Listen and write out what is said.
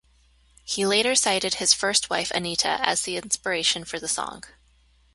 He later cited his first wife Anita as the inspiration for the song.